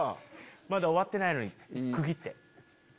まだ終わってないのに区切って！